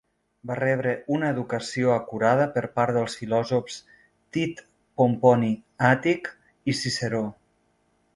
Va rebre una educació acurada, per part dels filòsofs Tit Pomponi Àtic, i Ciceró.